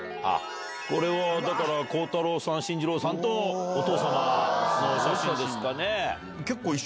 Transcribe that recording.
これは孝太郎さん進次郎さんとお父様の写真ですかね。